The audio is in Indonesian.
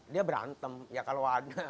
dia berantem ya kalau adu kan memang dia